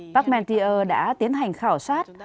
pacmentier đã tiến hành khảo sát